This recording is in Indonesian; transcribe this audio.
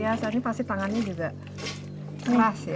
wah luar biasa ini pasti tangannya juga keras ya